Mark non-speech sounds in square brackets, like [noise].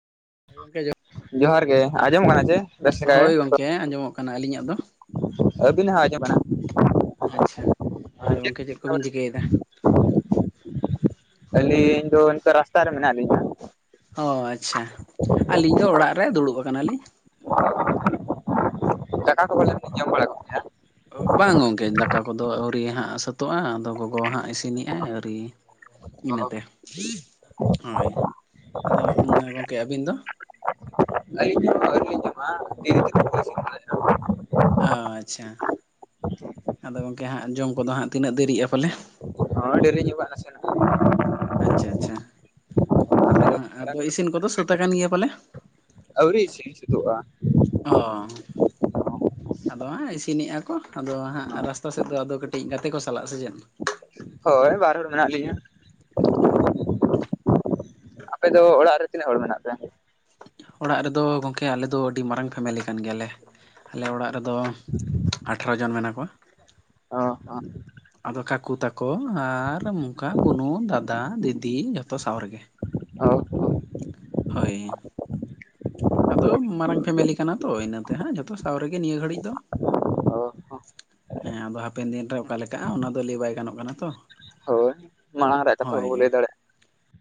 ᱜᱚᱝᱠᱮ [inaudible] ᱡᱚᱦᱟᱨ ᱜᱮ ᱟᱸᱡᱚᱢᱚᱜ ᱠᱟᱱᱟ ᱪᱮ? ᱵᱮᱥ ᱞᱮᱠᱟ ᱜᱮ ᱦᱳᱭ ᱜᱚᱝᱠᱮ ᱟᱸᱡᱚᱢᱚᱜ ᱠᱟᱱᱟ, ᱟᱹᱞᱤᱧᱟᱜ ᱫᱚ? ᱟᱹᱵᱤᱱᱟᱜ ᱦᱚᱸ ᱟᱸᱡᱚᱢᱮ [inaudible] ᱟᱪᱪᱷᱟ ᱟᱫᱚ ᱜᱚᱝᱠᱮ ᱪᱮᱫ ᱠᱚᱵᱤᱱ ᱪᱤᱠᱟᱹᱭᱫᱟ? ᱟᱹᱞᱤᱧ ᱫᱚ ᱱᱤᱛᱟᱜ ᱨᱟᱥᱛᱟ ᱨᱮ ᱢᱮᱱᱟᱜ ᱞᱤᱧᱟ᱾ ᱚ ᱟᱪᱪᱷᱟ ᱟᱹᱞᱤᱧ ᱫᱚ ᱚᱲᱟᱜ ᱨᱮ ᱫᱩᱲᱩᱵ ᱠᱟᱱᱟᱞᱤᱧ᱾ ᱫᱟᱠᱟ ᱠᱚ ᱯᱟᱞᱮᱱ ᱵᱤᱱ ᱡᱚᱢ ᱵᱟᱲᱟ ᱜᱚᱫ ᱠᱮᱜ-ᱟ? ᱵᱟᱝ ᱜᱚᱝᱠᱮ ᱫᱟᱠᱟ ᱠᱚᱫᱚ ᱟᱹᱣᱨᱤ ᱦᱟᱸᱜ ᱥᱟᱹᱛᱳᱜ-ᱟ ᱟᱫᱚ ᱜᱚᱜᱚ ᱦᱟᱸᱜ ᱤᱥᱤᱱᱮᱜᱟᱭ ᱟᱹᱣᱨᱤ᱾ ᱤᱱᱟᱹᱛᱮ ᱦᱳᱭ, ᱟᱫᱚ ᱜᱚᱝᱠᱮ ᱟᱹᱵᱤᱱ ᱫᱚ? ᱟᱹᱞᱤᱧ ᱦᱚᱸ ᱟᱹᱣᱨᱤ ᱞᱤᱧ ᱡᱚᱢᱟ [inaudible] ᱚ ᱟᱪᱪᱷᱟ ᱟᱫᱚ ᱜᱚᱝᱠᱮ ᱦᱟᱸᱜ ᱡᱚᱢ ᱠᱚᱫᱚ ᱦᱟᱸᱜ ᱛᱤᱱᱟᱹᱜ ᱫᱮᱨᱤᱜ-ᱟ ᱯᱟᱞᱮ? ᱦᱳᱭ ᱫᱮᱨᱤ ᱧᱚᱜᱚᱜ-ᱟ ᱱᱟᱥᱮᱱᱟᱜ᱾ ᱟᱪᱪᱷᱟ ᱟᱪᱪᱷᱟ ᱟᱫᱚ ᱦᱟᱸᱜ ᱟᱫᱚ ᱤᱥᱤᱱ ᱠᱚᱫᱚ ᱥᱟᱹᱛ ᱟᱠᱟᱱ ᱜᱮᱭᱟ ᱯᱟᱞᱮ? ᱟᱹᱣᱨᱤ ᱤᱥᱤᱱ ᱥᱳᱛᱳᱜ-ᱟ᱾ ᱚ ᱟᱫᱚ ᱦᱟᱸᱜ ᱤᱥᱤᱱᱮᱜ-ᱟ ᱠᱚ, ᱟᱫᱚ ᱦᱟᱸᱜ ᱨᱟᱥᱛᱟ ᱥᱮᱫ ᱫᱚ ᱟᱫᱚ ᱠᱟᱹᱴᱤᱡ ᱜᱟᱛᱮ ᱠᱚ ᱥᱟᱞᱟᱜ-ᱟ ᱥᱮ ᱪᱮᱫ? ᱦᱳᱭ ᱵᱟᱨ ᱦᱚᱲ ᱢᱮᱱᱟᱜ ᱞᱤᱧᱟᱹ᱾ ᱟᱯᱮ ᱫᱚ ᱚᱲᱟᱜ ᱨᱮ ᱛᱤᱱᱟᱹᱜ ᱦᱚᱲ ᱢᱮᱱᱟᱜ ᱯᱮᱭᱟ? ᱚᱲᱟᱜ ᱨᱮᱫᱚ ᱜᱚᱝᱠᱮ ᱟᱞᱮ ᱫᱚ ᱟᱹᱰᱤ ᱢᱟᱨᱟᱝ ᱯᱷᱮᱢᱮᱞᱤ ᱠᱟᱱ ᱜᱮᱭᱟᱞᱮ᱾ ᱟᱞᱮ ᱚᱲᱟᱜ ᱨᱮᱫᱚ ᱟᱴᱷᱨᱚ ᱡᱚᱱ ᱢᱮᱱᱟᱜ ᱠᱚᱣᱟ᱾ [unintelligible] ᱟᱫᱚ ᱠᱟᱠᱩ ᱛᱟᱠᱚ ᱟᱨ ᱱᱚᱝᱠᱟ ᱵᱩᱱᱩ, ᱫᱟᱫᱟ, ᱫᱤᱫᱤ ᱡᱚᱛᱚ ᱥᱟᱶ ᱨᱮᱜᱮ᱾ ᱦᱚᱸ ᱦᱳᱭ᱾ ᱟᱫᱚ ᱢᱟᱨᱟᱝ ᱯᱷᱮᱢᱮᱞᱤ ᱠᱟᱱᱟ ᱛᱚ ᱤᱱᱟᱹᱛᱮ ᱦᱟᱸᱜ ᱡᱷᱚᱛᱚ ᱥᱟᱶ ᱨᱮᱜᱮ ᱱᱤᱭᱟᱹ ᱜᱷᱟᱹᱲᱤᱡ ᱫᱚ᱾ ᱚ ᱦᱚᱸ ᱦᱮᱸ ᱟᱫᱚ ᱦᱟᱯᱮᱱ ᱫᱤᱱᱨᱮ ᱚᱠᱟᱠ ᱚᱱᱟ ᱫᱚ ᱞᱟᱹᱭ ᱵᱟᱭ ᱜᱟᱱᱚᱜ ᱠᱟᱱᱟ ᱛᱚ, ᱦᱳᱭ ᱢᱟᱲᱟᱝ ᱨᱮᱭᱟᱜ ᱠᱟᱛᱷᱟ ᱦᱳᱭ ᱵᱟᱵᱚᱱ ᱞᱟᱹᱭ ᱫᱟᱨᱮᱼᱟ᱾